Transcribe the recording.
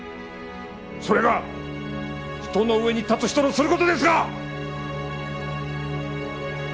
それが人の上に立つ人のする事ですか！？